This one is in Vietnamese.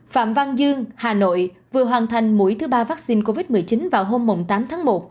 phạm văn dương hà nội vừa hoàn thành mũi thứ ba vaccine covid một mươi chín vào hôm tám tháng một